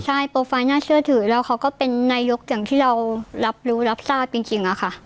ใช่โปรไฟล์น่าเชื่อถือแล้วเขาก็เป็นนายกอย่างที่เรารับรู้รับทราบจริงอะค่ะ